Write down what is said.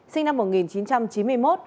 sinh năm một nghìn chín trăm chín mươi một